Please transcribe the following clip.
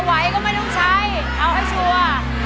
ไหวก็ไม่ต้องใช้เอาให้ชัวร์